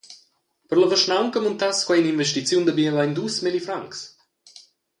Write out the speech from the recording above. Per la vischnaunca muntass quei in’investiziun da biebein dus milliuns francs.